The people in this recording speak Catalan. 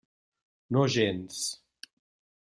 No gens.